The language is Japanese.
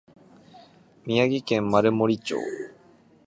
宮城県丸森町